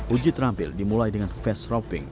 uji terampil dimulai dengan fast ropping